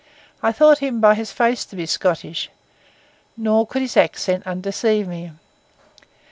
I thought him by his face to be Scottish; nor could his accent undeceive me.